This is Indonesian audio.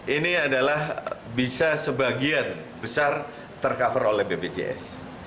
ini adalah bisa sebagian besar tercover oleh bpjs